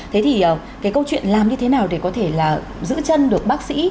thế thì cái câu chuyện làm như thế nào để có thể là giữ chân được bác sĩ